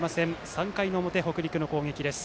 ３回の表、北陸の攻撃です。